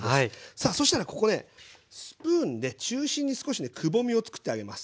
さあそしたらここねスプーンで中心に少しねくぼみをつくってあげます。